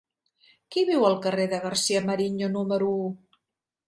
Qui viu al carrer de García-Mariño número u?